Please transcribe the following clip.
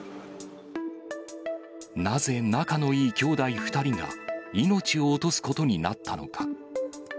なぜ、仲のいい兄弟２人が命を落とすことになったのか。